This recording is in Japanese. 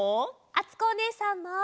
あつこおねえさんも！